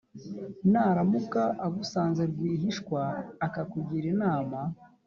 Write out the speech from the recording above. naramuka agusanze rwihishwa akakugira inama